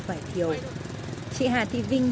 vải thiều chị hà thị vinh